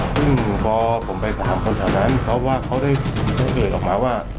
แล้วพอผมไปถามคนข้างนั้นเขาเคยออกมาว่า